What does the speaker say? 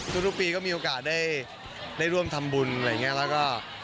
ทุกปีก็มีโอกาสได้ร่วมทำบุญอะไรอย่างนี้แล้วก็